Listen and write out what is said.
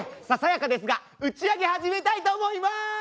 ささやかですが打ち上げ始めたいと思います！